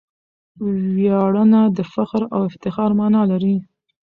ویاړنه د فخر او افتخار مانا لري.